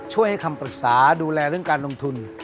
ให้คำปรึกษาดูแลเรื่องการลงทุน